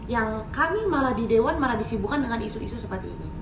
yang kami malah di dewan malah disibukan dengan isu isu seperti ini